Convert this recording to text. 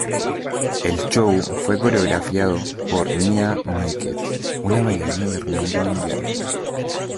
El show fue coreografiado por Mia Michaels, una bailarina de renombre mundial.